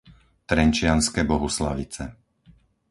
Trenčianske Bohuslavice